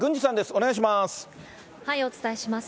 お願いします。